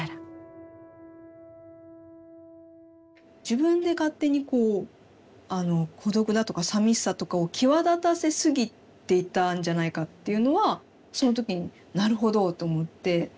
自分で勝手にこう孤独だとかさみしさとかを際立たせすぎていたんじゃないかっていうのはその時になるほどって思って。